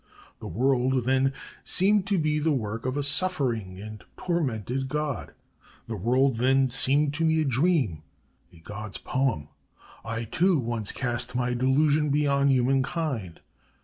'The World then seemed to be the work of a suffering and tormented God. The World then seemed to me a dream, a God's poem.... I, too, once cast my delusion beyond Humankind....